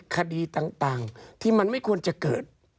คดีต่างที่มันไม่ควรจะเกิด